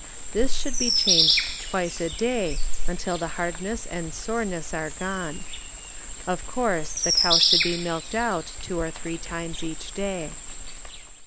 This should be changed twice a day until the hardness and soreness are gone. Of course, the cow should be milked out two or three times each day.